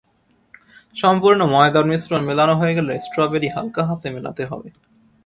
সম্পূর্ণ ময়দার মিশ্রণ মেলানো হয়ে গেলে স্ট্রবেরি হালকা হাতে মেলাতে হবে।